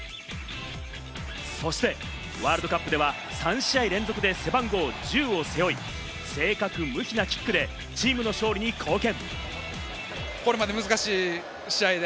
そしてワールドカップでは３試合連続で背番号１０を背負い、正確無比なキックでチームの勝利に貢献。